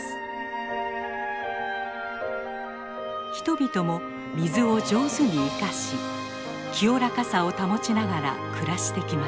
人々も水を上手に生かし清らかさを保ちながら暮らしてきました。